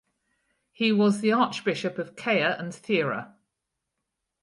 He was the Archbishop of Kea and Thira.